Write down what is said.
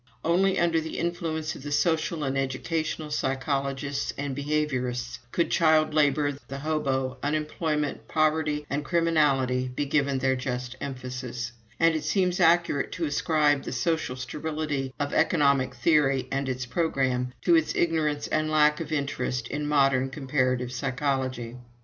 "Only under the influence of the social and educational psychologists and behaviorists could child labor, the hobo, unemployment, poverty, and criminality be given their just emphasis; and it seems accurate to ascribe the social sterility of Economic theory and its programme to its ignorance and lack of interest in modern comparative psychology.